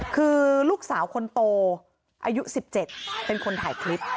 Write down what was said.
คือลูกสาวคนโตอายุ๑๗เป็นคนถ่ายคลิป